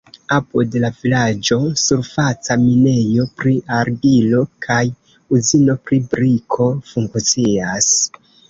Apud la vilaĝo surfaca minejo pri argilo kaj uzino pri briko funkcias.